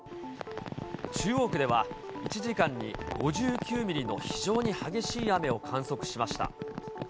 中央区では、１時間に５９ミリの非常に激しい雨を観測しました。